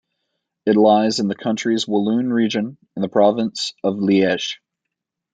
It lies in the country's Walloon Region and Province of Liege.